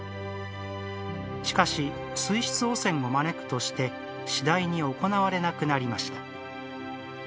しかし、水質汚染を招くとして次第に行われなくなりました。